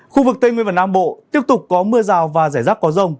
khu vực tây nguyên và nam bộ tiếp tục có mưa rào và rải rác có rông